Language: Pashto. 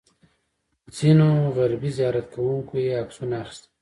ځینو غربي زیارت کوونکو یې عکسونه اخیستل.